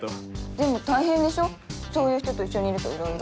でも大変でしょそういう人と一緒にいるといろいろ。